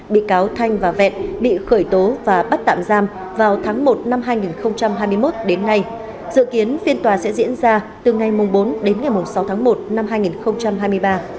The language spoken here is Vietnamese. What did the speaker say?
bị cáo thanh và vẹn bị khởi tố và bắt tạm giam vào tháng một năm hai nghìn hai mươi một đến nay dự kiến phiên tòa sẽ diễn ra từ ngày bốn đến ngày sáu tháng một năm hai nghìn hai mươi ba